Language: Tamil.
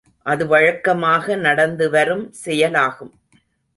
அது வழக்கமாக நடந்து வரும் செயலாகும்.